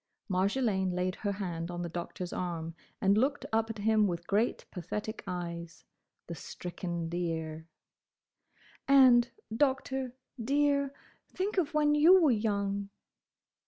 Marjolaine laid her hand on the Doctor's arm and looked up at him with great pathetic eyes—the stricken deer. "And, Doctor, dear—think of when you were young!"